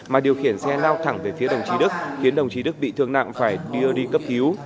mà điều khiển xe lao thẳng về phía đồng chí đức khiến đồng chí đức bị thương nặng phải đưa đi cấp cứu